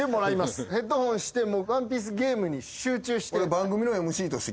ヘッドホンして『ワンピース』ゲームに集中して。